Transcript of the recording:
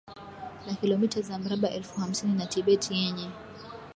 La kilomita za mraba elfu hamsini na Tibet yenye